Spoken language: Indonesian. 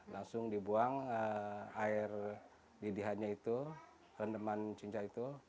langsung dibuang air didihannya itu rendaman cincah itu